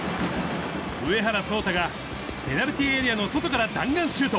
うえはらそうたがペナルティーエリアの外から弾丸シュート。